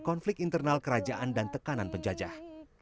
konflik internal kerajaan dan tekanan penjajah